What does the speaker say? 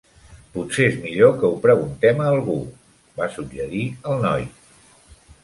"Potser és millor que ho preguntem a algú", va suggerir el noi.